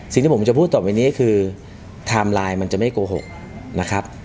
สิ่งที่ผมจะพูดต่อไปนี้คือไทม์ไลน์มันจะไม่โกหกนะครับ